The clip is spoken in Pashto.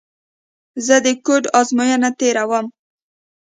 زه د کوډ ازموینه تېره ووم.